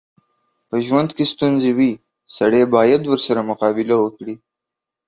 په ژوند کې ستونځې وي، سړی بايد ورسره مقابله وکړي.